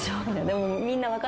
でも。